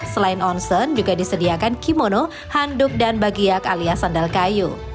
selain onsen juga disediakan kimono handuk dan bagiak alias sandal kayu